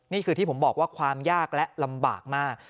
นี่คือที่ผมบอกว่าความยากและลำบากมาก